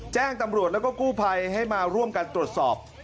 แจ้งตำรวจแล้วก็กู้ภัยให้มาร่วมกันตรวจสอบ